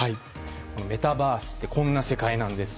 メタバースってこんな世界なんです。